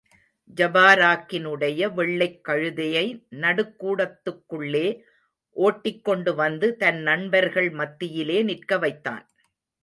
ஜபாரக்கினுடைய வெள்ளைக் கழுதையை நடுக் கூடத்துக்குள்ளே ஓட்டிக் கொண்டு வந்து, தன் நண்பர்கள் மத்தியிலே நிற்க வைத்தான்.